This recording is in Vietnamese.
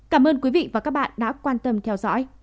cảm ơn quý vị và các bạn đã quan tâm theo dõi